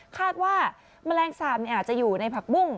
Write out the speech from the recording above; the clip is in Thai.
คาดว่าแมลงสาบอาจจะอยู่ในผักบุ้ง